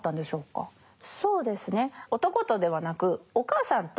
そうですね。